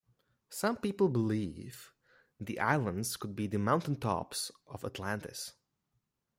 Some people believe the islands could be the mountain tops of Atlantis.